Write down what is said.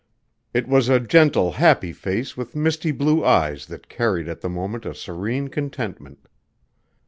It was a gentle, happy face with misty blue eyes that carried at the moment a serene contentment.